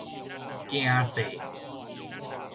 驚世